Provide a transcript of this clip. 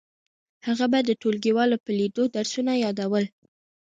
هغې به د ټولګیوالو په لیدو درسونه یادول